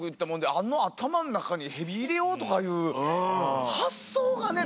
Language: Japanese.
あの頭ん中にヘビ入れようとかいう発想がねもうすごい。